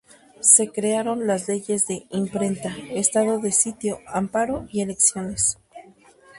Se crearon las leyes de: Imprenta, Estado de Sitio, Amparo y Elecciones.